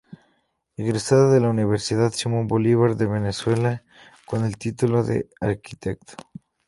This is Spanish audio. Egresada de la Universidad Simón Bolívar de Venezuela con el título de Arquitecto.